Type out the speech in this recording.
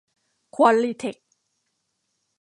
ควอลลีเทค